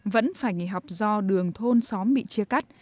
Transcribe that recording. vẫn phải nghỉ học do đường thôn xóm bị chia cắt